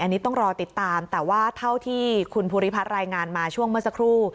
อันนี้ต้องรอติดตามแต่ว่าเท่าที่คุณภูริพัฒน์รายงานมาช่วงเมื่อสักครู่